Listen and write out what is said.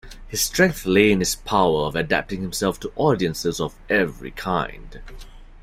His strength lay in his power of adapting himself to audiences of every kind.